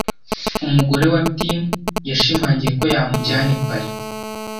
Umugore wa Tim yashimangiye ko yamujyana i Paris.